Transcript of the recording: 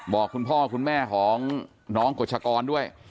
บอกคุณพ่อคุณแม่ของน้องกฎชกรด้วย